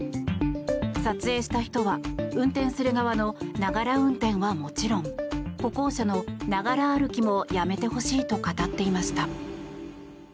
撮影した人は、運転する側のながら運転はもちろん歩行者のながら歩きもやめてほしいと語っていました。